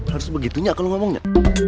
harus begitu gak kalau ngomongnya